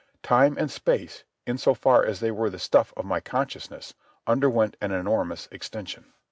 Time and space, in so far as they were the stuff of my consciousness, underwent an enormous extension.